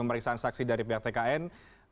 pemeriksaan saksi dari pihak tkn